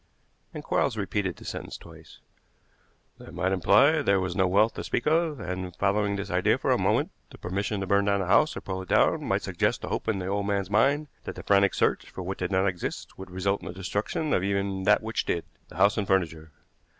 '" And Quarles repeated the sentence twice. "That might imply that there was no wealth to speak of; and, following this idea for a moment, the permission to burn the house or pull it down might suggest a hope in the old man's mind that the frantic search for what did not exist would result in the destruction of even that which did the house and furniture.